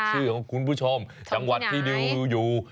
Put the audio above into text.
ชื่อของคุณผู้ชมจังหวัดที่ดิวอยู่